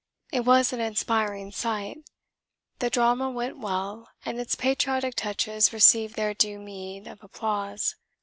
It was an inspiring sight. The drama went well, and its patriotic touches received their due meed of applause.